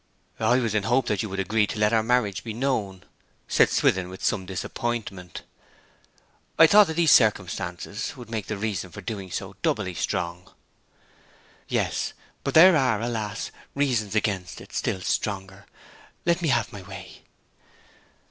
'I was in hope that you would agree to let our marriage be known,' said Swithin, with some disappointment. 'I thought that these circumstances would make the reason for doing so doubly strong.' 'Yes. But there are, alas, reasons against it still stronger! Let me have my way.'